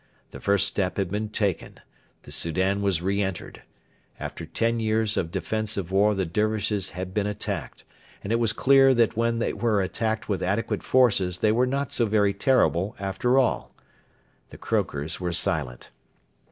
The first step had been taken. The Soudan was re entered. After ten years of defensive war the Dervishes had been attacked, and it was clear that when they were attacked with adequate forces they were not so very terrible after all. The croakers were silent.